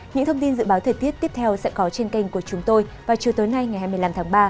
những thông tin dự báo thời tiết tiếp theo sẽ có trên kênh của chúng tôi vào chiều tối nay ngày hai mươi năm tháng ba